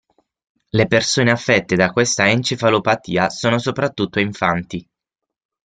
Le persone affette da questa encefalopatia sono soprattutto infanti.